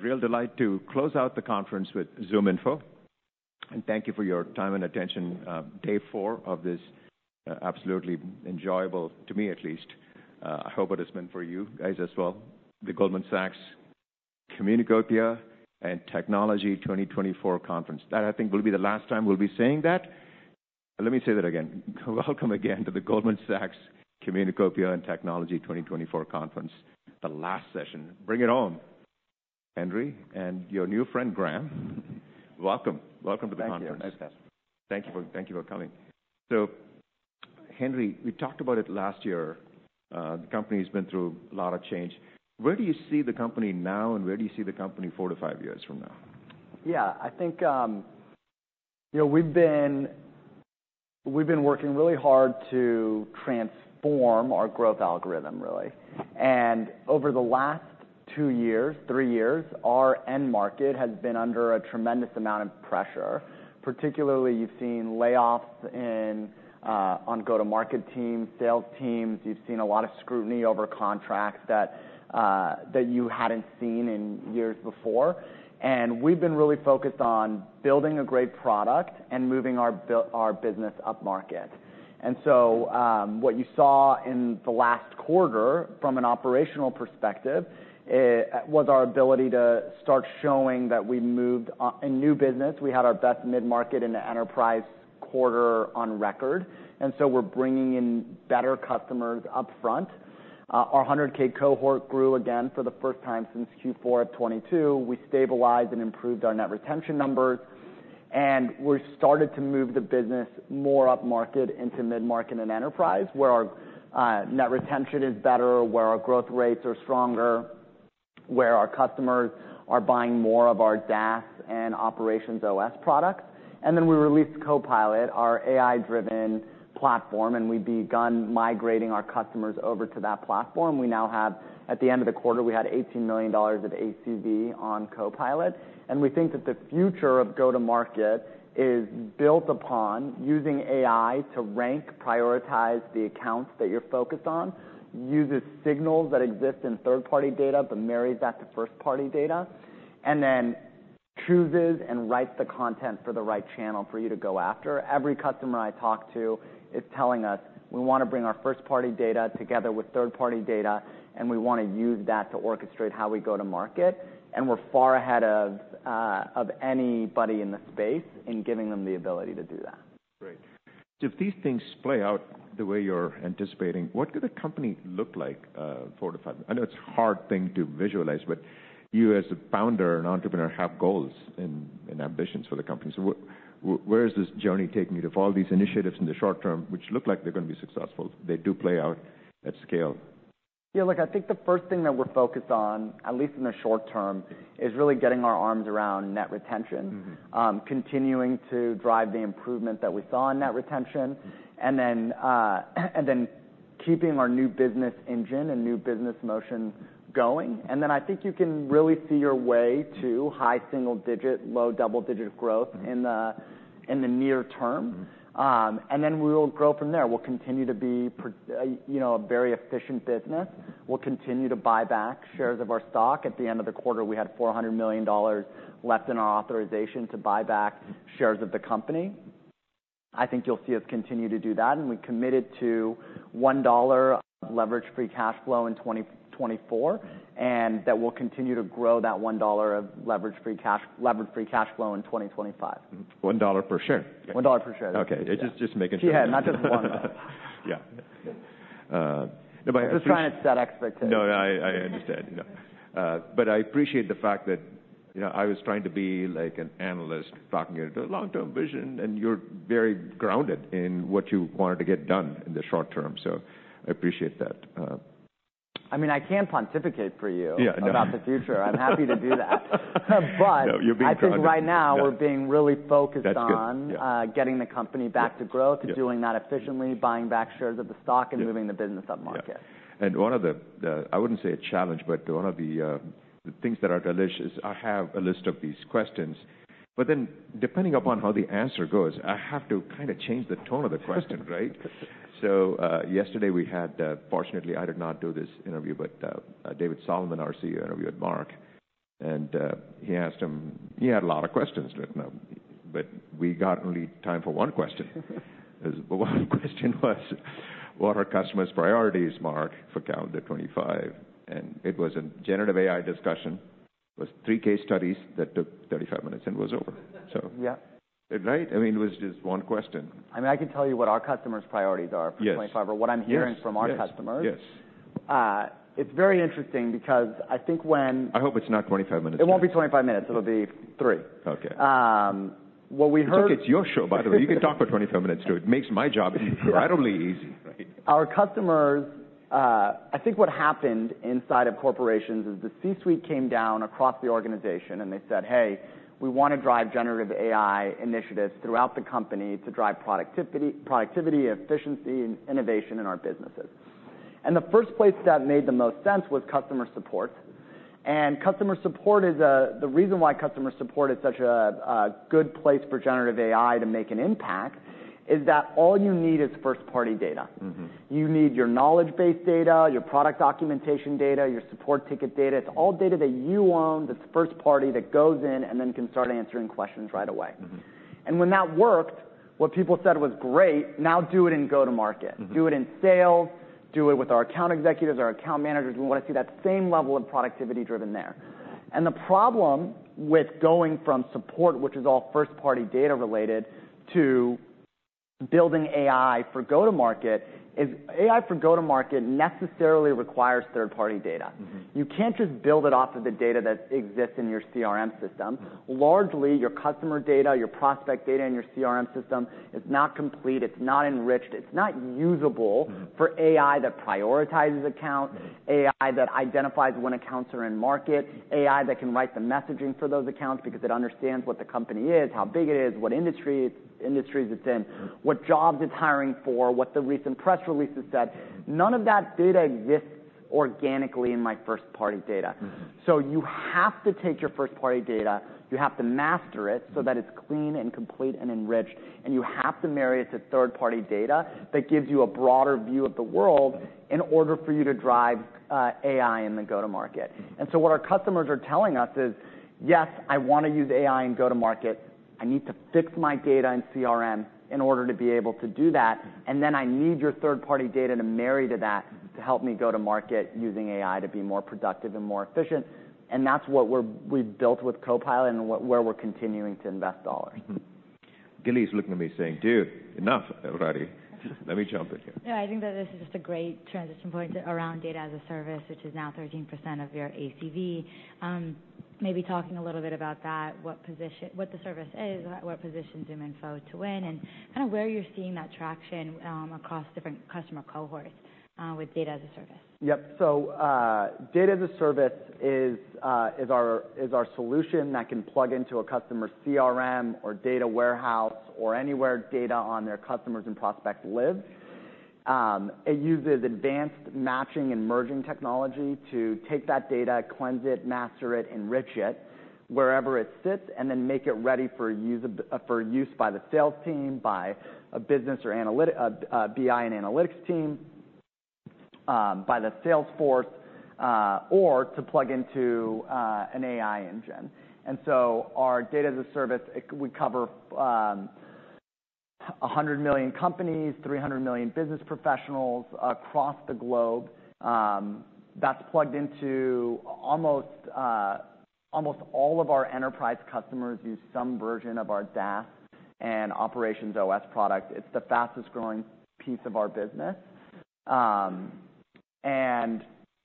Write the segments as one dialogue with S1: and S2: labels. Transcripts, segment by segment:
S1: A real delight to close out the conference with ZoomInfo, and thank you for your time and attention, day four of this, absolutely enjoyable, to me at least, I hope it has been for you guys as well, the Goldman Sachs Communacopia and Technology 2024 conference. That, I think, will be the last time we'll be saying that. Let me say that again. Welcome again to the Goldman Sachs Communacopia and Technology 2024 conference, the last session. Bring it on, Henry, and your new friend, Graham. Welcome, welcome to the conference.
S2: Thank you. Nice to be here.
S1: Thank you for coming. So, Henry, we talked about it last year, the company's been through a lot of change. Where do you see the company now, and where do you see the company four to five years from now?
S2: Yeah, I think, you know, we've been working really hard to transform our growth algorithm, really, and over the last two years, three years, our end market has been under a tremendous amount of pressure. Particularly, you've seen layoffs in on go-to-market teams, sales teams. You've seen a lot of scrutiny over contracts that you hadn't seen in years before. And we've been really focused on building a great product and moving our business upmarket. And so, what you saw in the last quarter, from an operational perspective, was our ability to start showing that we moved. In new business, we had our best mid-market in the enterprise quarter on record, and so we're bringing in better customers upfront. Our 100K cohort grew again for the first time since Q4 of 2022. We stabilized and improved our net retention numbers, and we've started to move the business more upmarket into mid-market and enterprise, where our net retention is better, where our growth rates are stronger, where our customers are buying more of our DaaS and OperationsOS products, and then we released Copilot, our AI-driven platform, and we've begun migrating our customers over to that platform. We now have, at the end of the quarter, we had $18 million of ACV on Copilot, and we think that the future of go-to-market is built upon using AI to rank, prioritize the accounts that you're focused on, uses signals that exist in third-party data, but marries that to first-party data, and then chooses and writes the content for the right channel for you to go after. Every customer I talk to is telling us, "We wanna bring our first-party data together with third-party data, and we wanna use that to orchestrate how we go to market," and we're far ahead of anybody in the space in giving them the ability to do that.
S1: Great. So if these things play out the way you're anticipating, what could the company look like, four to five? I know it's a hard thing to visualize, but you, as a founder and entrepreneur, have goals and ambitions for the company. So where is this journey taking you? If all these initiatives in the short term, which look like they're gonna be successful, they do play out at scale.
S2: Yeah, look, I think the first thing that we're focused on, at least in the short term, is really getting our arms around net retention.
S1: Mm-hmm.
S2: Continuing to drive the improvement that we saw in net retention, and then keeping our new business engine and new business motion going. Then, I think you can really see your way to high single digit, low double-digit growth.
S1: Mm.
S2: In the near term.
S1: Mm.
S2: Then we will grow from there. We'll continue to be, you know, a very efficient business. We'll continue to buy back shares of our stock. At the end of the quarter, we had $400 million left in our authorization to buy back shares of the company. I think you'll see us continue to do that, and we committed to $1 of leverage free cash flow in 2024.
S1: Mm.
S2: and that we'll continue to grow that $1 of leverage-free cash flow in 2025.
S1: Mm. $1 per share?
S2: $1 per share.
S1: Okay.
S2: Yeah.
S1: Just making sure.
S2: Yeah, not just $1.
S1: Yeah, but I appreciate-
S2: Just trying to set expectations.
S1: No, I understand. You know, but I appreciate the fact that, you know, I was trying to be like an analyst talking to a long-term vision, and you're very grounded in what you wanted to get done in the short term, so I appreciate that.
S2: I mean, I can pontificate for you-
S1: Yeah, I know.
S2: about the future. I'm happy to do that.
S1: No, you're being grounded.
S2: But I think right now we're being really focused on-
S1: That's good, yeah.
S2: Getting the company back to growth.
S1: Yeah, yeah.
S2: doing that efficiently, buying back shares of the stock.
S1: Yeah
S2: and moving the business upmarket.
S1: Yeah, and one of the, I wouldn't say a challenge, but one of the things that are delicious. I have a list of these questions, but then, depending upon how the answer goes, I have to kind of change the tone of the question, right? So, yesterday we had fortunately, I did not do this interview, but David Solomon, our CEO, interviewed Marc, and he asked him. He had a lot of questions written up, but we got only time for one question. But one question was: What are customers' priorities, Marc, for calendar 2025? And it was a generative AI discussion, was three case studies that took 35 minutes, and it was over.
S2: Yeah.
S1: So, right? I mean, it was just one question.
S2: I mean, I can tell you what our customers' priorities are.
S1: Yes
S2: For twenty-five or what I'm hearing
S1: Yes
S2: From our customers.
S1: Yes, yes.
S2: It's very interesting because I think when-
S1: I hope it's not 25 minutes again.
S2: It won't be 25 minutes, it'll be three.
S1: Okay.
S2: What we heard.
S1: It's your show, by the way. You can talk for 25 minutes, too. It makes my job easier, incredibly easy, right?
S2: Our customers. I think what happened inside of corporations is the C-suite came down across the organization, and they said: Hey, we wanna drive generative AI initiatives throughout the company to drive productivity, efficiency, and innovation in our businesses. And the first place that made the most sense was customer support, and customer support is. The reason why customer support is such a good place for generative AI to make an impact is that all you need is first-party data.
S1: Mm-hmm.
S2: You need your knowledge-based data, your product documentation data, your support ticket data. It's all data that you own, that's first party, that goes in and then can start answering questions right away.
S1: Mm-hmm.
S2: When that worked, what people said was great. Now do it in go-to-market.
S1: Mm-hmm.
S2: Do it in sales, do it with our account executives, our account managers. We want to see that same level of productivity driven there. And the problem with going from support, which is all first-party data related, to building AI for go-to-market, is AI for go-to-market necessarily requires third-party data.
S1: Mm-hmm.
S2: You can't just build it off of the data that exists in your CRM system.
S1: Mm.
S2: Largely, your customer data, your prospect data, in your CRM system is not complete, it's not enriched, it's not usable.
S1: Mm.
S2: for AI that prioritizes accounts
S1: Mm.
S2: AI that identifies when accounts are in market, AI that can write the messaging for those accounts because it understands what the company is, how big it is, what industries it's in.
S1: Mm.
S2: what jobs it's hiring for, what the recent press releases said.
S1: Mm.
S2: None of that data exists organically in my first-party data.
S1: Mm-hmm.
S2: So you have to take your first-party data, you have to master it so that it's clean and complete and enriched, and you have to marry it to third-party data that gives you a broader view of the world-
S1: Mm.
S2: In order for you to drive AI in the go-to-market.
S1: Mm.
S2: And so what our customers are telling us is, "Yes, I want to use AI in go-to-market. I need to fix my data in CRM in order to be able to do that, and then I need your third-party data to marry to that, to help me go-to-market, using AI to be more productive and more efficient." And that's what we've built with Copilot and where we're continuing to invest dollars.
S1: Mm-hmm. Gilly's looking at me saying, "Dude, enough already." Let me jump in here. No, I think that this is just a great transition point around data as a service, which is now 13% of your ACV. Maybe talking a little bit about that, what the service is, what position ZoomInfo to win, and kind of where you're seeing that traction, across different customer cohorts, with data as a service.
S2: Yep. So data as a service is our solution that can plug into a customer's CRM or data warehouse or anywhere data on their customers and prospects live. It uses advanced matching and merging technology to take that data, cleanse it, master it, enrich it wherever it sits, and then make it ready for use for use by the sales team, by a business or analytics BI and analytics team, by the sales force, or to plug into an AI engine. And so our data as a service. We cover 100 million companies, 300 million business professionals across the globe. Almost all of our enterprise customers use some version of our DaaS and OperationsOS product. It's the fastest-growing piece of our business.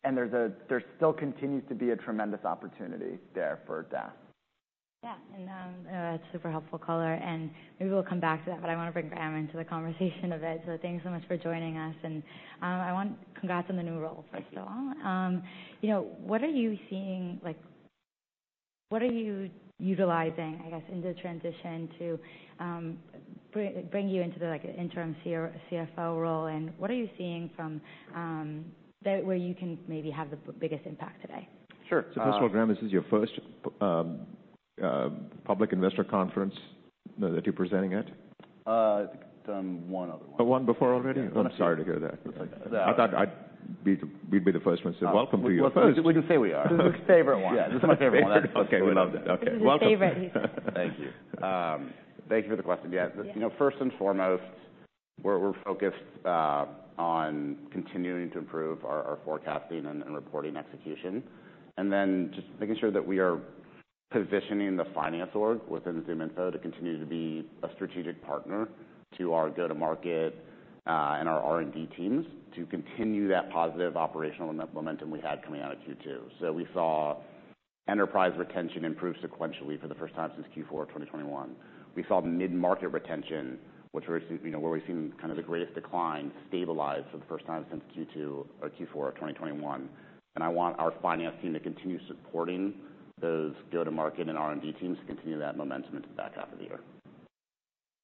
S2: There's still continues to be a tremendous opportunity there for DaaS. Yeah, and, it's super helpful color, and maybe we'll come back to that, but I want to bring Graham into the conversation a bit. So thanks so much for joining us, and, I want congrats on the new role, first of all. You know, what are you seeing? Like, what are you utilizing, I guess, in the transition to bring you into the, like, an interim CFO role, and what are you seeing from that, where you can maybe have the biggest impact today?
S3: Sure, uh-
S1: First of all, Graham, this is your first public investor conference that you're presenting at?
S3: Done one other one.
S1: Oh, one before already?
S3: Yeah.
S1: I'm sorry to hear that.
S3: Uh-
S1: I thought we'd be the first ones. So welcome to your first.
S3: We can say we are.
S2: This is his favorite one.
S3: Yeah, this is my favorite one.
S1: Okay, we love that. Okay, welcome. This is his favorite.
S3: Thank you. Thank you for the question. Yeah, you know, first and foremost, we're focused on continuing to improve our forecasting and reporting execution, and then just making sure that we are positioning the finance org within ZoomInfo to continue to be a strategic partner to our go-to-market and our R&D teams, to continue that positive operational momentum we had coming out of Q2. So we saw enterprise retention improve sequentially for the first time since Q4 of 2021. We saw mid-market retention, which you know, where we've seen kind of the greatest decline, stabilize for the first time since Q2 or Q4 of 2021. And I want our finance team to continue supporting those go-to-market and R&D teams to continue that momentum into the back half of the year.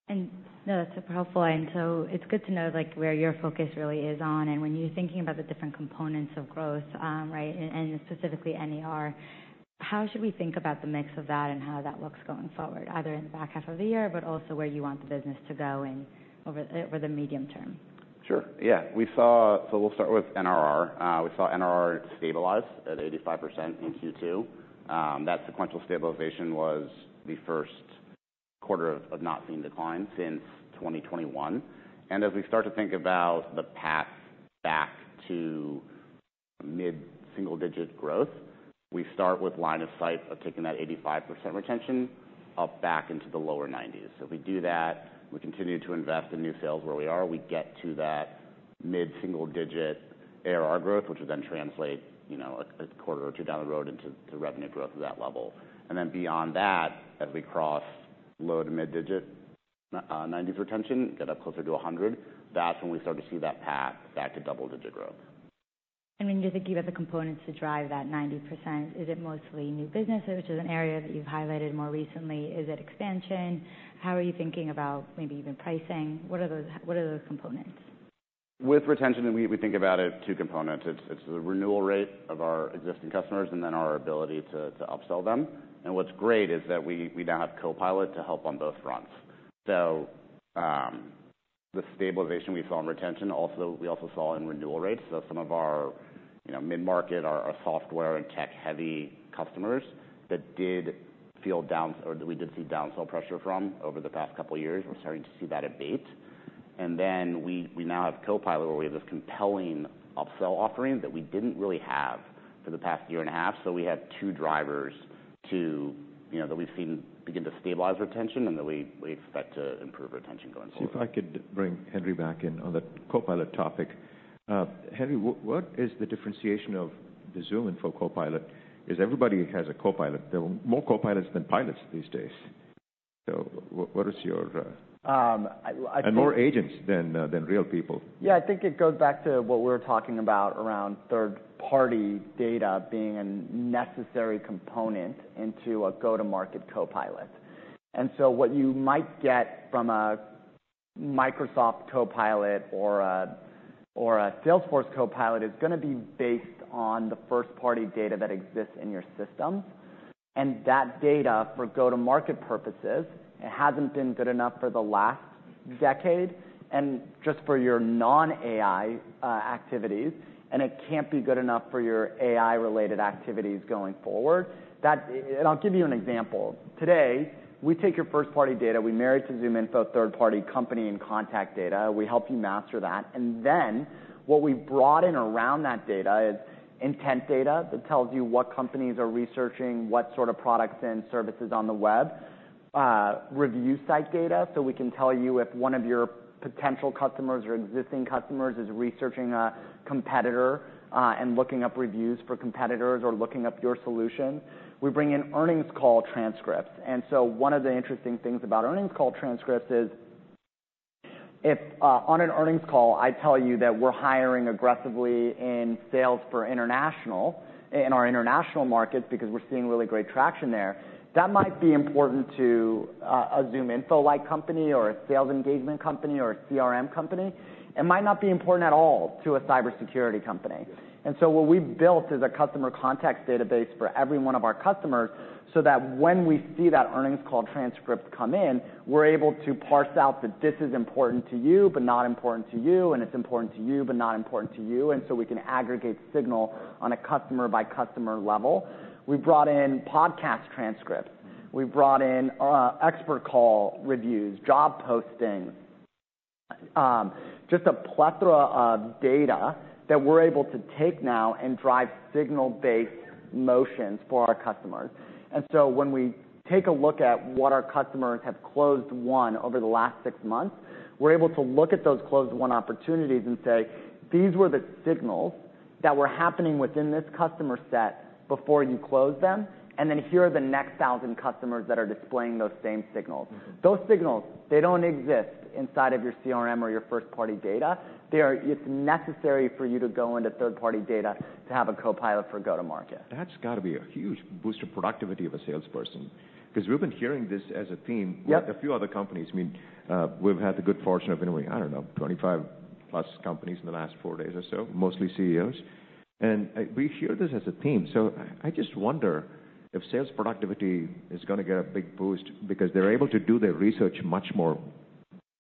S3: No, that's super helpful. So it's good to know, like, where your focus really is on, and when you're thinking about the different components of growth, right, and specifically NAR, how should we think about the mix of that and how that looks going forward, either in the back half of the year, but also where you want the business to go over the medium term? Sure, yeah. So we'll start with NRR. We saw NRR stabilize at 85% in Q2. That sequential stabilization was the first quarter of not seeing decline since 2021. And as we start to think about the path back to mid-single-digit growth, we start with line of sight of taking that 85% retention up back into the lower 90s. So if we do that, we continue to invest in new sales where we are, we get to that mid-single-digit ARR growth, which will then translate, you know, a quarter or two down the road into to revenue growth of that level. And then beyond that, as we cross low to mid-digit 90s retention, get up closer to 100%, that's when we start to see that path back to double-digit growth. When you think about the components to drive that 90%, is it mostly new business, which is an area that you've highlighted more recently? Is it expansion? How are you thinking about maybe even pricing? What are those components? With retention, we think about it in two components. It's the renewal rate of our existing customers and then our ability to upsell them. And what's great is that we now have Copilot to help on both fronts. So the stabilization we saw in retention also, we also saw in renewal rates. So some of our, you know, mid-market, our software and tech-heavy customers that did feel down or that we did see downsell pressure from over the past couple of years, we're starting to see that abate. And then we now have Copilot, where we have this compelling upsell offering that we didn't really have for the past year and a half. So we have two drivers to, you know, that we've seen begin to stabilize retention, and that we expect to improve retention going forward.
S1: So if I could bring Henry back in on the Copilot topic. Henry, what is the differentiation of the ZoomInfo Copilot? 'Cause everybody has a Copilot. There are more Copilots than pilots these days. So what is your
S2: I think-
S1: And more agents than real people.
S2: Yeah, I think it goes back to what we were talking about around third-party data being a necessary component into a go-to-market Copilot. And so what you might get from a Microsoft Copilot or a Salesforce Copilot is gonna be based on the first-party data that exists in your system. And that data, for go-to-market purposes, it hasn't been good enough for the last decade, and just for your non-AI activities, and it can't be good enough for your AI-related activities going forward. That. And I'll give you an example. Today, we take your first-party data, we marry it to ZoomInfo, third-party company and contact data. We help you master that, and then what we brought in around that data is intent data that tells you what companies are researching, what sort of products and services on the web, review site data. So we can tell you if one of your potential customers or existing customers is researching a competitor, and looking up reviews for competitors or looking up your solution. We bring in earnings call transcripts. And so one of the interesting things about earnings call transcripts is, if on an earnings call, I tell you that we're hiring aggressively in sales for international, in our international markets, because we're seeing really great traction there, that might be important to a ZoomInfo-like company or a sales engagement company or a CRM company. It might not be important at all to a cybersecurity company.
S1: Yes.
S2: And so what we've built is a customer contact database for every one of our customers, so that when we see that earnings call transcript come in, we're able to parse out that this is important to you, but not important to you, and it's important to you, but not important to you, and so we can aggregate signal on a customer-by-customer level. We brought in podcast transcripts. We brought in, expert call reviews, job postings, just a plethora of data that we're able to take now and drive signal-based motions for our customers. And so when we take a look at what our customers have closed won over the last six months, we're able to look at those closed-won opportunities and say, "These were the signals that were happening within this customer set before you closed them, and then here are the next thousand customers that are displaying those same signals.
S1: Mm-hmm.
S2: Those signals, they don't exist inside of your CRM or your first-party data. They are. It's necessary for you to go into third-party data to have a Copilot for go-to-market.
S1: That's got to be a huge boost of productivity of a salesperson, 'cause we've been hearing this as a theme-
S2: Yep
S1: With a few other companies. I mean, we've had the good fortune of interviewing, I don't know, twenty-five plus companies in the last four days or so, mostly CEOs, and we hear this as a theme, so I just wonder if sales productivity is gonna get a big boost because they're able to do their research much more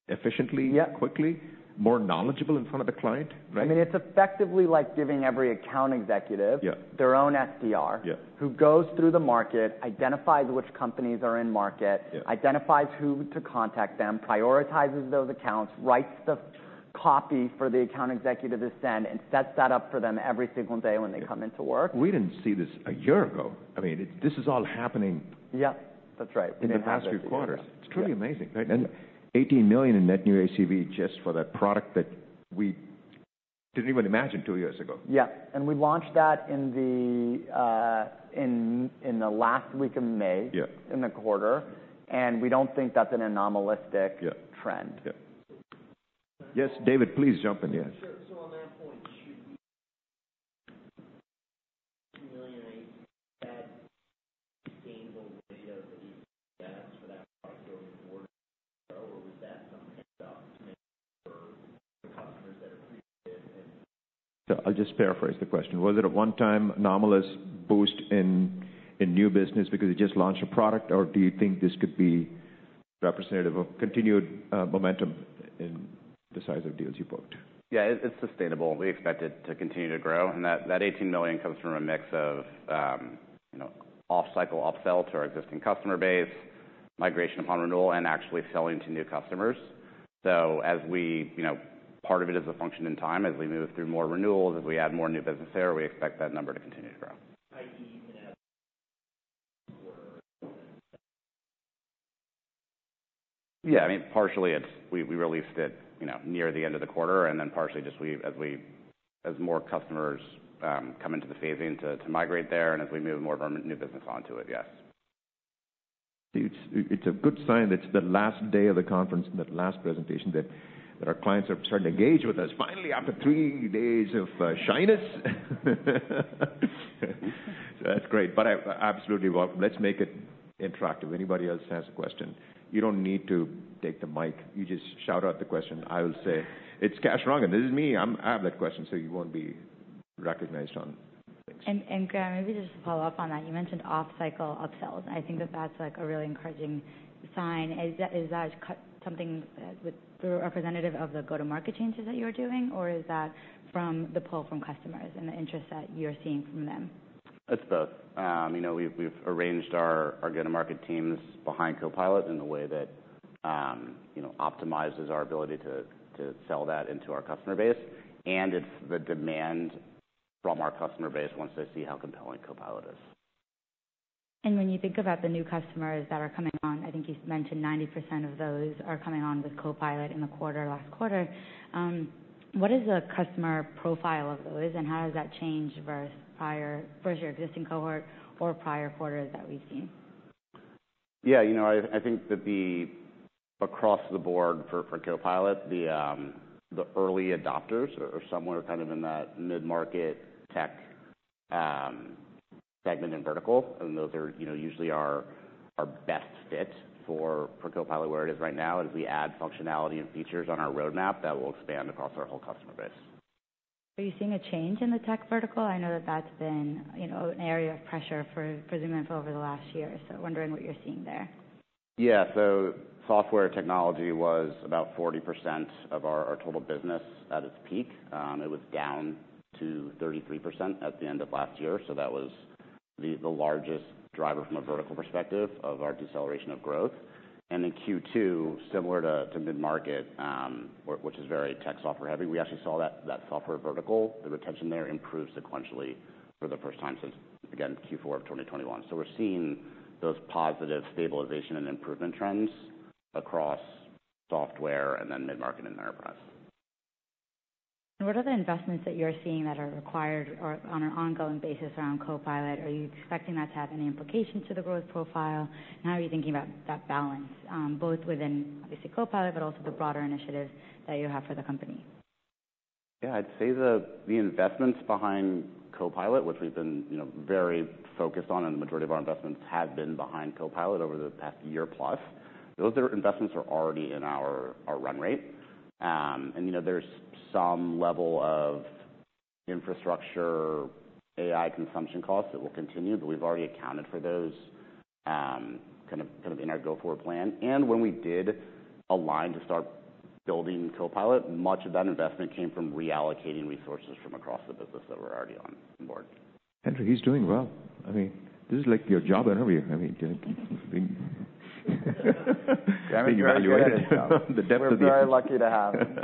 S1: efficiently-
S2: Yep
S1: Quickly, more knowledgeable in front of the client, right?
S2: I mean, it's effectively like giving every account executive-
S1: Yeah
S2: Their own SDR-
S1: Yeah
S2: Who goes through the market, identifies which companies are in market-
S1: Yeah
S2: Identifies who to contact them, prioritizes those accounts, writes the copy for the account executive to send, and sets that up for them every single day when they come into work.
S1: We didn't see this a year ago. I mean, this is all happening.
S2: Yep, that's right.
S1: In the past few quarters.
S2: Yeah.
S1: It's truly amazing, right? And $18 million in net new ACV just for that product that we didn't even imagine two years ago.
S2: Yeah, and we launched that in the last week of May.
S1: Yeah
S2: In the quarter, and we don't think that's an anomalous
S1: Yeah
S2: Trend.
S1: Yeah. Yes, David, please jump in, yeah. Sure, so on that point, should the $18 million ACV gains over the other SaaS for that product going forward, or was that something about the mix for the customers that are pretty good, and. I'll just paraphrase the question: Was it a one-time anomalous boost in new business because you just launched a product, or do you think this could be representative of continued momentum in the size of deals you booked?
S3: Yeah, it's sustainable. We expect it to continue to grow, and that eighteen million comes from a mix of, you know, off-cycle upsells to our existing customer base, migration upon renewal, and actually selling to new customers. So as we. You know, part of it is a function in time. As we move through more renewals, as we add more new business there, we expect that number to continue to grow. i.e., in a quarter? Yeah, I mean, partially it's we released it, you know, near the end of the quarter, and then partially just we, as more customers come into the phasing to migrate there, and as we move more of our new business onto it, yes.
S1: It's a good sign that it's the last day of the conference and the last presentation that our clients are starting to engage with us, finally, after three days of shyness. So that's great, but absolutely, well, let's make it interactive. Anybody else has a question? You don't need to take the mic. You just shout out the question. I will say, "It's Kash Rangan. This is me. I have that question," so you won't be recognized on. Graham, maybe just to follow up on that, you mentioned off-cycle upsells. I think that that's, like, a really encouraging sign. Is that sort of representative of the go-to-market changes that you are doing? Or is that from the pull from customers and the interest that you're seeing from them?
S3: It's both. You know, we've arranged our go-to-market teams behind Copilot in a way that, you know, optimizes our ability to sell that into our customer base, and it's the demand from our customer base once they see how compelling Copilot is. When you think about the new customers that are coming on, I think you've mentioned 90% of those are coming on with Copilot in the quarter, last quarter. What is the customer profile of those, and how has that changed versus your existing cohort or prior quarters that we've seen? Yeah, you know, I think that across the board for Copilot, the early adopters are somewhere kind of in that mid-market tech segment and vertical, and those are, you know, usually our best fit for Copilot, where it is right now. As we add functionality and features on our roadmap, that will expand across our whole customer base. Are you seeing a change in the tech vertical? I know that that's been, you know, an area of pressure for, presumably over the last year, so wondering what you're seeing there. Yeah. So software technology was about 40% of our total business at its peak. It was down to 33% at the end of last year, so that was the largest driver from a vertical perspective of our deceleration of growth. And in Q2, similar to mid-market, which is very tech software heavy, we actually saw that software vertical, the retention there improved sequentially for the first time since, again, Q4 of 2021. So we're seeing those positive stabilization and improvement trends across software and then mid-market and enterprise. What are the investments that you're seeing that are required or on an ongoing basis around Copilot? Are you expecting that to have any implications to the growth profile? How are you thinking about that balance, both within, obviously, Copilot, but also the broader initiatives that you have for the company? Yeah, I'd say the investments behind Copilot, which we've been, you know, very focused on, and the majority of our investments have been behind Copilot over the past year plus, those investments are already in our run rate, and, you know, there's some level of infrastructure, AI consumption costs that will continue, but we've already accounted for those, kind of, in our go-forward plan, and when we did align to start building Copilot, much of that investment came from reallocating resources from across the business that were already on board.
S1: Andrew, he's doing well. I mean, this is, like, your job interview. I mean, being evaluated.
S2: We're very lucky to have him.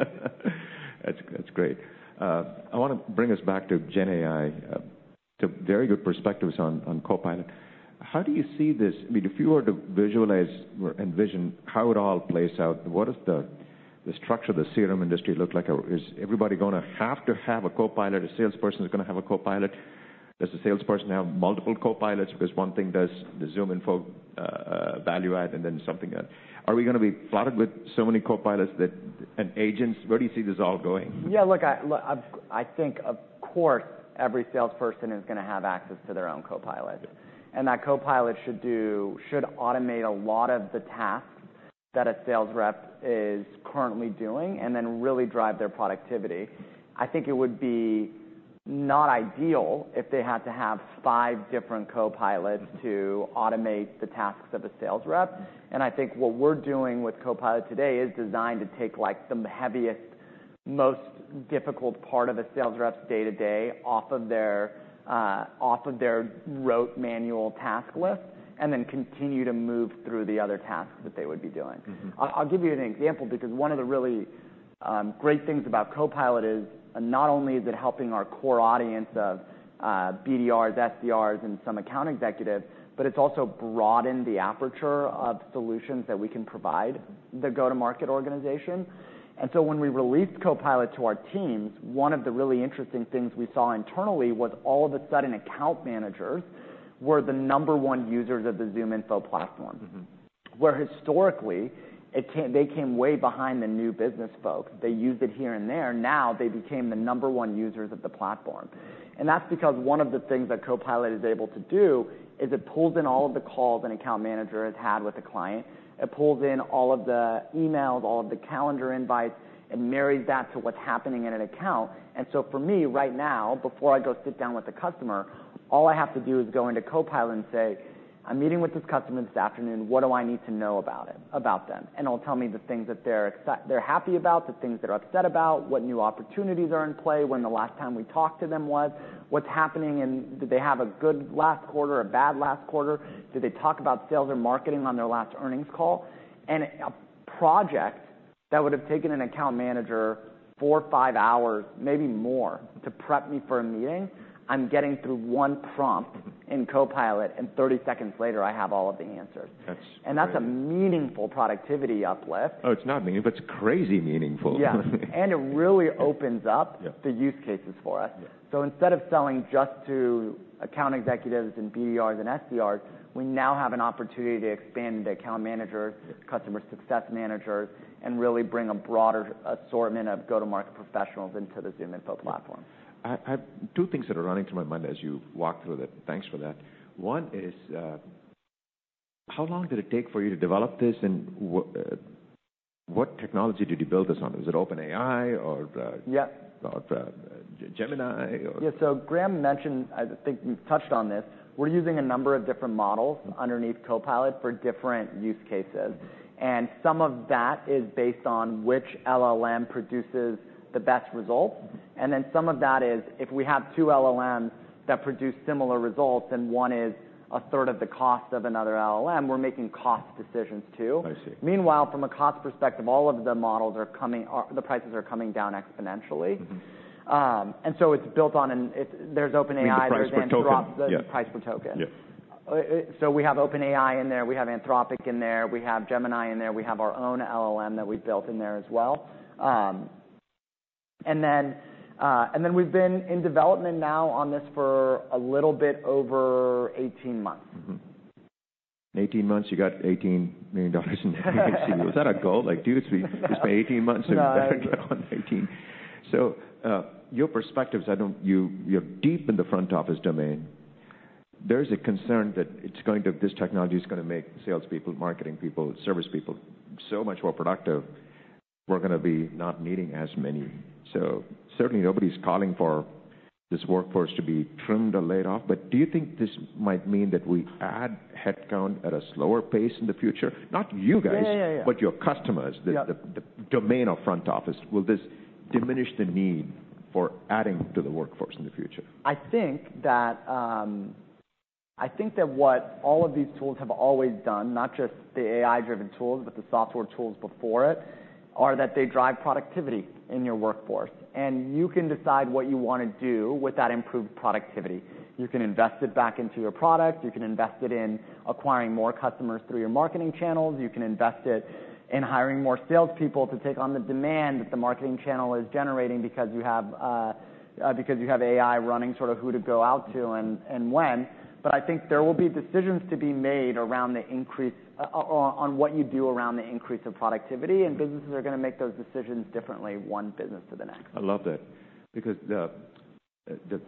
S1: That's, that's great. I wanna bring us back to GenAI. So very good perspectives on, on Copilot. How do you see this, I mean, if you were to visualize or envision how it all plays out, what does the, the structure of the CRM industry look like? Or is everybody gonna have to have a Copilot, a salesperson is gonna have a Copilot? Does the salesperson have multiple Copilots because one thing does the ZoomInfo, value add, and then something else? Are we gonna be flooded with so many Copilots that... and agents, where do you see this all going?
S2: Yeah, look, I think, of course, every salesperson is gonna have access to their own Copilot, and that Copilot should automate a lot of the tasks that a sales rep is currently doing and then really drive their productivity. I think it would be not ideal if they had to have five different Copilots to automate the tasks of a sales rep. And I think what we're doing with Copilot today is designed to take, like, the heaviest, most difficult part of a sales rep's day-to-day off of their rote manual task list, and then continue to move through the other tasks that they would be doing.
S1: Mm-hmm.
S2: I'll give you an example, because one of the really great things about Copilot is, not only is it helping our core audience of BDRs, SDRs, and some account executives, but it's also broadened the aperture of solutions that we can provide the go-to-market organization. And so when we released Copilot to our teams, one of the really interesting things we saw internally was all of a sudden, account managers were the number one users of the ZoomInfo platform.
S1: Mm-hmm.
S2: Where historically, they came way behind the new business folks. They used it here and there. Now they became the number one users of the platform, and that's because one of the things that Copilot is able to do is it pulls in all of the calls an account manager has had with a client. It pulls in all of the emails, all of the calendar invites, and marries that to what's happening in an account. And so for me, right now, before I go sit down with a customer, all I have to do is go into Copilot and say, "I'm meeting with this customer this afternoon. What do I need to know about it, about them?" And it'll tell me the things that they're happy about, the things they're upset about, what new opportunities are in play, when the last time we talked to them was, what's happening, and did they have a good last quarter, a bad last quarter? Did they talk about sales or marketing on their last earnings call? And a project that would've taken an account manager four, five hours, maybe more, to prep me for a meeting, I'm getting through one prompt in Copilot, and thirty seconds later, I have all of the answers.
S1: That's great.
S2: That's a meaningful productivity uplift.
S1: Oh, it's not meaningful, but it's crazy meaningful.
S2: Yeah, and it really opens up-
S1: Yeah.
S2: the use cases for us.
S1: Yeah.
S2: So instead of selling just to account executives and BDRs and SDRs, we now have an opportunity to expand to account managers, customer success managers, and really bring a broader assortment of go-to-market professionals into the ZoomInfo platform.
S1: Two things that are running through my mind as you walk through that. Thanks for that. One is, how long did it take for you to develop this, and what technology did you build this on? Is it OpenAI or,
S2: Yeah.
S1: - or, Gemini, or?
S2: Yeah, so Graham mentioned, I think we've touched on this, we're using a number of different models underneath Copilot for different use cases, and some of that is based on which LLM produces the best results, and then some of that is if we have two LLMs that produce similar results, and one is a third of the cost of another LLM, we're making cost decisions, too.
S1: I see.
S2: Meanwhile, from a cost perspective, all of the models are coming, the prices are coming down exponentially.
S1: Mm-hmm.
S2: And so it's built on, and there's OpenAI.
S1: You mean the price per token?
S2: The price per token.
S1: Yeah.
S2: So we have OpenAI in there, we have Anthropic in there, we have Gemini in there, we have our own LLM that we've built in there as well. And then we've been in development now on this for a little bit over 18 months.
S1: Mm-hmm. 18 months, you got $18 million in VC. Was that a goal? Like, do you spend 18 months-
S2: No.
S1: On 18. So, your perspectives, you, you're deep in the front office domain. There's a concern that this technology is gonna make salespeople, marketing people, service people, so much more productive, we're gonna be not needing as many. So certainly, nobody's calling for this workforce to be trimmed or laid off, but do you think this might mean that we add headcount at a slower pace in the future? Not you guys-
S2: Yeah, yeah, yeah.
S1: But your customers-
S2: Yeah.
S1: the domain of front office, will this diminish the need for adding to the workforce in the future?
S2: I think that I think that what all of these tools have always done, not just the AI-driven tools, but the software tools before it, are that they drive productivity in your workforce, and you can decide what you wanna do with that improved productivity. You can invest it back into your product. You can invest it in acquiring more customers through your marketing channels. You can invest it in hiring more salespeople to take on the demand that the marketing channel is generating because you have AI running sort of who to go out to and when. But I think there will be decisions to be made around the increase on what you do around the increase of productivity, and businesses are gonna make those decisions differently, one business to the next.
S1: I love that because the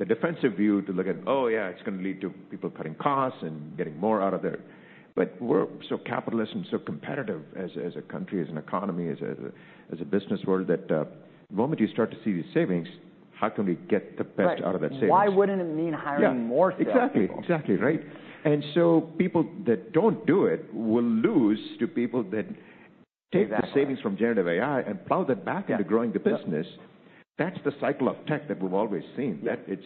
S1: defensive view to look at, oh, yeah, it's gonna lead to people cutting costs and getting more out of there. But we're so capitalist and so competitive as a country, as an economy, as a business world, that the moment you start to see these savings, how can we get the best-
S2: Right.
S1: out of that savings? Why wouldn't it mean hiring more salespeople? Yeah. Exactly. Exactly, right. And so people that don't do it will lose to people that-
S2: Exactly. Take the savings from Generative AI and plow that back into growing the business. That's the cycle of tech that we've always seen.
S1: Yeah.
S2: That it's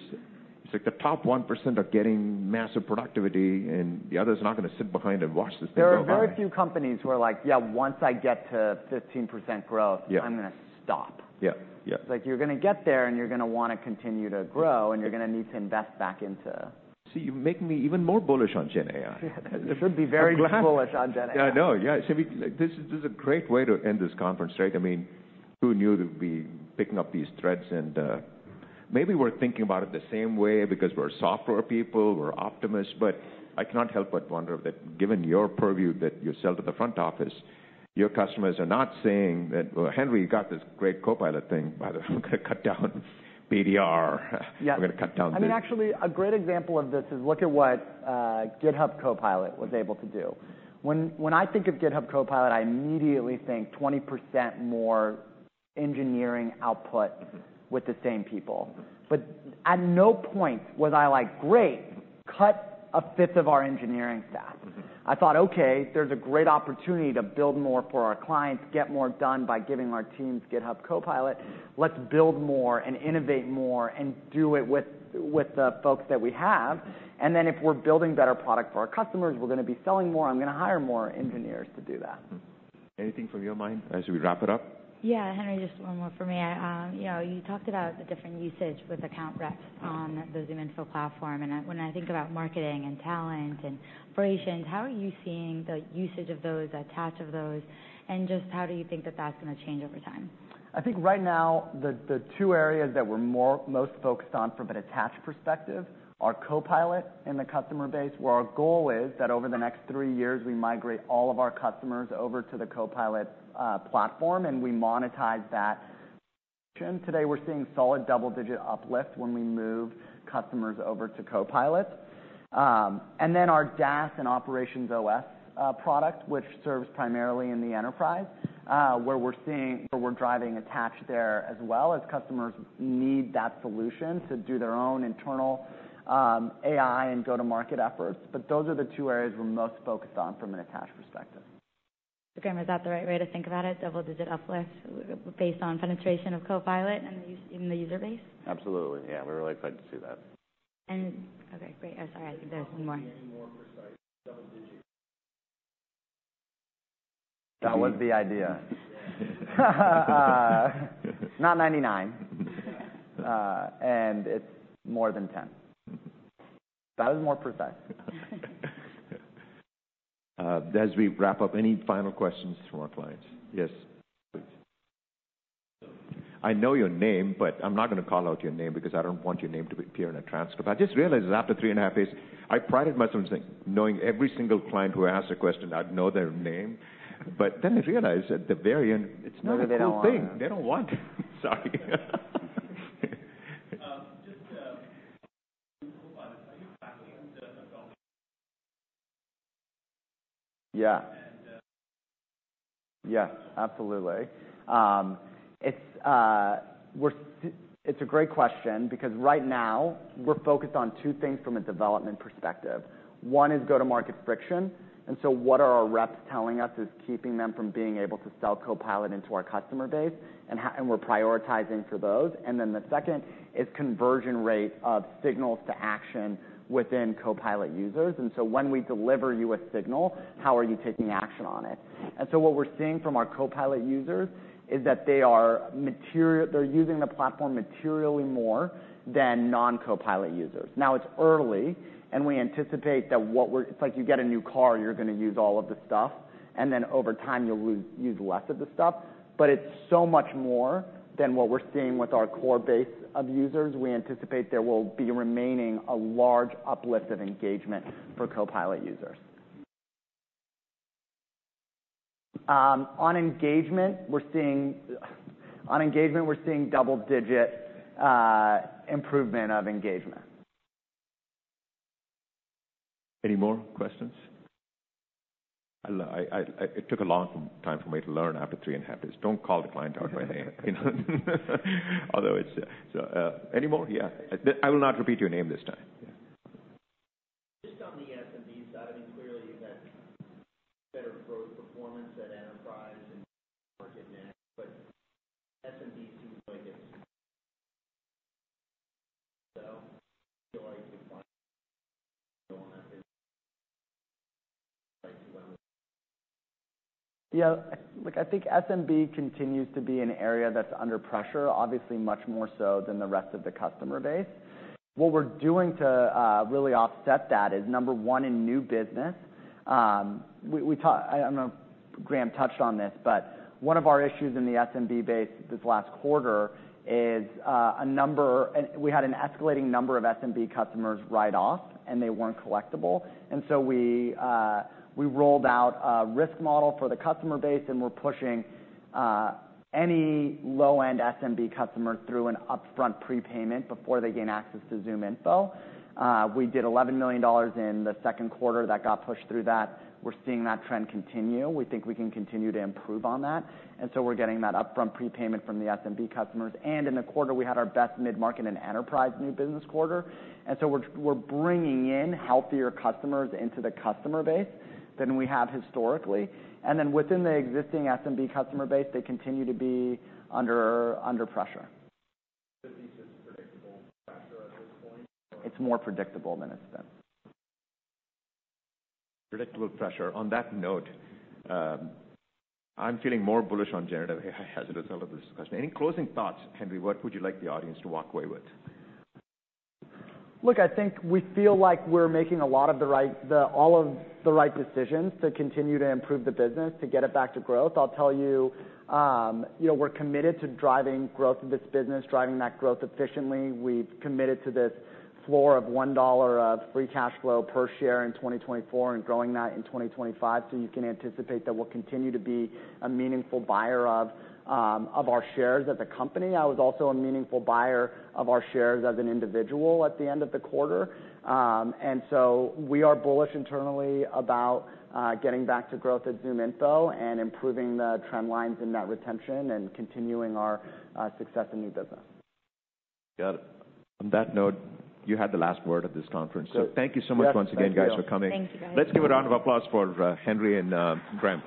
S2: like the top 1% are getting massive productivity, and the others are not gonna sit behind and watch this thing go by. There are very few companies who are like: Yeah, once I get to 15% growth. Yeah. I'm gonna stop. Yeah. Yeah. It's like you're gonna get there, and you're gonna wanna continue to grow, and you're gonna need to invest back into.
S1: See, you're making me even more bullish on gen AI.
S2: You should be very bullish on gen AI.
S1: I know. Yeah. So this is a great way to end this conference, right? I mean, who knew that we'd be picking up these threads, and maybe we're thinking about it the same way because we're software people, we're optimists. But I cannot help but wonder if, given your purview that you sell to the front office, your customers are not saying that, "Well, Henry, you got this great Copilot thing. By the way, we're gonna cut down BDR.
S2: Yeah.
S1: We're gonna cut down the.
S2: I mean, actually, a great example of this is look at what GitHub Copilot was able to do. When I think of GitHub Copilot, I immediately think 20% more engineering output with the same people.
S1: Mm-hmm.
S2: But at no point was I like: Great, cut a fifth of our engineering staff.
S1: Mm-hmm.
S2: I thought: Okay, there's a great opportunity to build more for our clients, get more done by giving our teams GitHub Copilot. Let's build more and innovate more and do it with the folks that we have.
S1: Mm-hmm.
S2: And then, if we're building better product for our customers, we're gonna be selling more. I'm gonna hire more engineers to do that.
S1: Mm-hmm. Anything from your mind as we wrap it up? Yeah, Henry, just one more for me. You know, you talked about the different usage with account reps on the ZoomInfo platform, and when I think about marketing and talent and operations, how are you seeing the usage of those, attachment of those, and just how do you think that that's gonna change over time?
S2: I think right now, the two areas that we're most focused on from an attach perspective are Copilot and the customer base, where our goal is that over the next three years, we migrate all of our customers over to the Copilot platform, and we monetize that. Today, we're seeing solid double-digit uplift when we move customers over to Copilot. And then our DaaS and OperationsOS product, which serves primarily in the enterprise, where we're driving attach there, as well, as customers need that solution to do their own internal AI and go-to-market efforts. But those are the two areas we're most focused on from an attach perspective. So Graham, is that the right way to think about it, double-digit uplift based on penetration of Copilot and us in the user base?
S3: Absolutely. Yeah, we're really excited to see that. Okay, great. I'm sorry. I think there's one more.
S1: Can you be any more precise, double digit?
S2: That was the idea. Not 99, and it's more than 10.
S1: Mm-hmm.
S2: That was more precise.
S1: As we wrap up, any final questions from our clients? Yes, please. I know your name, but I'm not gonna call out your name because I don't want your name to appear in a transcript. I just realized that after three and a half days, I prided myself on saying, knowing every single client who asked a question, I'd know their name. But then I realized at the very end, it's not a cool thing.
S2: Maybe they don't want.
S1: They don't want it. Sorry.
S3: Yeah. Yes, absolutely. It's a great question, because right now we're focused on two things from a development perspective. One is go-to-market friction, and so what are our reps telling us is keeping them from being able to sell Copilot into our customer base, and we're prioritizing for those. And then the second is conversion rate of signals to action within Copilot users. And so when we deliver you a signal, how are you taking action on it? And so what we're seeing from our Copilot users is that they're using the platform materially more than non-Copilot users. Now, it's early, and we anticipate that what we're... It's like you get a new car, you're gonna use all of the stuff, and then over time, you'll use less of the stuff. It's so much more than what we're seeing with our core base of users. We anticipate there will be remaining a large uplift of engagement for Copilot users. On engagement, we're seeing double-digit improvement of engagement.
S1: Any more questions? It took a long time for me to learn after three and a half years. Don't call the client out by their name, although it's. Any more? Yeah. I will not repeat your name this time. Just on the SMB side, I mean, clearly, you've had better growth performance at enterprise and market now, but SMB seems like it's so.
S2: Yeah, look, I think SMB continues to be an area that's under pressure, obviously, much more so than the rest of the customer base. What we're doing to really offset that is, number one, in new business, we talk. I don't know if Graham touched on this, but one of our issues in the SMB base this last quarter is we had an escalating number of SMB customers write off, and they weren't collectible. And so we rolled out a risk model for the customer base, and we're pushing any low-end SMB customer through an upfront prepayment before they gain access to ZoomInfo. We did $11 million in the second quarter that got pushed through that. We're seeing that trend continue. We think we can continue to improve on that, and so we're getting that upfront prepayment from the SMB customers. And in the quarter, we had our best mid-market and enterprise new business quarter. And so we're bringing in healthier customers into the customer base than we have historically. And then within the existing SMB customer base, they continue to be under pressure. But this is a predictable factor at this point? It's more predictable than it's been.
S1: Predictable pressure. On that note, I'm feeling more bullish on generative as a result of this discussion. Any closing thoughts, Henry? What would you like the audience to walk away with?
S2: Look, I think we feel like we're making a lot of all of the right decisions to continue to improve the business, to get it back to growth. I'll tell you, you know, we're committed to driving growth of this business, driving that growth efficiently. We've committed to this floor of $1 of free cash flow per share in 2024 and growing that in 2025, so you can anticipate that we'll continue to be a meaningful buyer of our shares at the company. I was also a meaningful buyer of our shares as an individual at the end of the quarter. And so we are bullish internally about getting back to growth at ZoomInfo and improving the trend lines in net retention and continuing our success in new business.
S1: Got it. On that note, you had the last word at this conference.
S2: Good.
S1: Thank you so much once again, guys, for coming.
S3: Thank you.
S1: Let's give a round of applause for Henry and Graham.